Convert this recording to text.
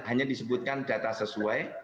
hanya disebutkan data sesuai